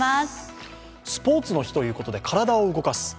スポーツの日ということで体を動かす。